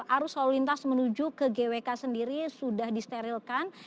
arus lalu lintas menuju ke gwk sendiri sudah disterilkan